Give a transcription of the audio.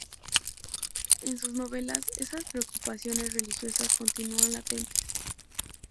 En sus novelas, esas preocupaciones religiosas continúan latentes.